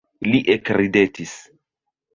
Li ekridetis.